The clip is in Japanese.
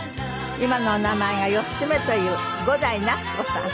今のお名前が４つ目という伍代夏子さん。